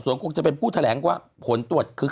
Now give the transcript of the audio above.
คุณหนุ่มกัญชัยได้เล่าใหญ่ใจความไปสักส่วนใหญ่แล้ว